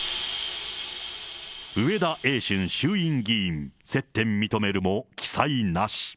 上田英俊衆院議員、接点認めるも、記載なし。